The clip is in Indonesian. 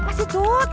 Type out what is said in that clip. apa sih cuc